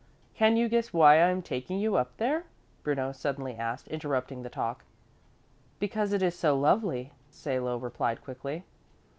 "Can you guess why I am taking you up there?" Bruno suddenly asked, interrupting the talk. "Because it is so lovely," Salo replied quickly.